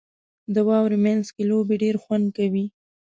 • د واورې مینځ کې لوبې ډېرې خوند کوي.